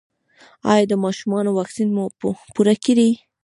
ایا د ماشومانو واکسین مو پوره کړی؟